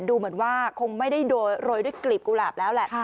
ดูเหมือนว่าคงไม่ได้โรยด้วยกลีบกุหลาบแล้วแหละ